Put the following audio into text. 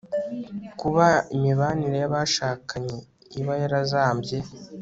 kuba. imibanire y'abashakanye iba yarazambye